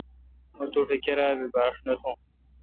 مہ توٹھ کیرا بی باݭ نہ تھون۔